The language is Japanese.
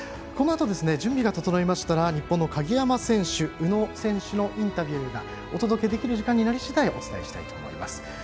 このあと準備が整いましたら日本の鍵山選手、宇野選手のインタビューをお届けできる時間になり次第お届けしたいと思います。